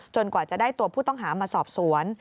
กว่าจะได้ตัวผู้ต้องหามาสอบสวน